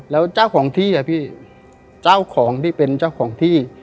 แล้วเจ้าของที่อะพี่เจ้าของที่เป็นเจ้าของที่